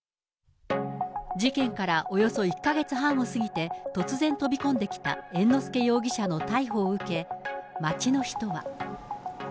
事件からおよそ１か月半を過ぎて、突然飛び込んできた猿之助容疑者の逮捕を受け、街の人は。